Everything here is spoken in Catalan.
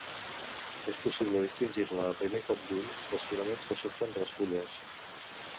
És possible distingir-la a primer cop d'ull pels filaments que surten de les fulles.